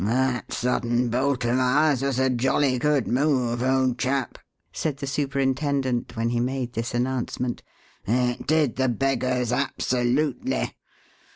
"That sudden bolt of ours was a jolly good move, old chap," said the superintendent, when he made this announcement. "It did the beggars absolutely.